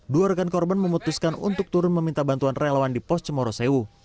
dua rekan korban memutuskan untuk turun meminta bantuan relawan di pos cemorosewu